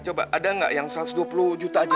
coba ada nggak yang satu ratus dua puluh juta aja